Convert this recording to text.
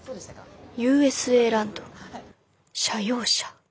ＵＳＡランド社用車。